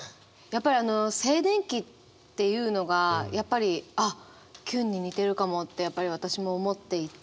やっぱり静電気っていうのがあっキュンに似てるかもってやっぱり私も思っていて。